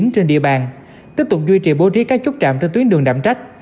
trên địa bàn tiếp tục duy trì bố trí các chốt trạm trên tuyến đường đạm trách